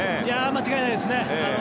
間違いないですね。